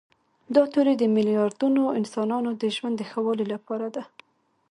دا تیوري د میلیاردونو انسانانو د ژوند د ښه والي لپاره ده.